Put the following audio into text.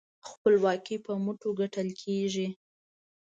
خپلواکي په خپلو مټو ګټل کېږي.